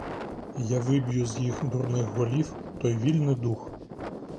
Я виб'ю з їх дурних голів той вільний дух.